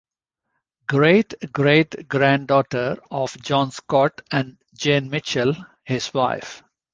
Great-great-granddaughter of John Scott and Jane Mitchell, his wife.